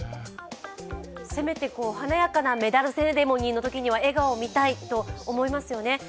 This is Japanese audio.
せめて華やかなメダルセレモニーのときには笑顔を見たいと思いますよね。